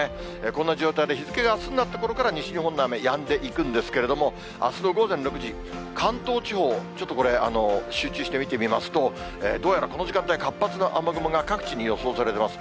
こんな状態で日付があすになったころから、西日本の雨、やんでいくんですけれども、あすの午前６時、関東地方、ちょっとこれ、集中して見てみますと、どうやらこの時間帯、活発な雨雲が各地に予想されています。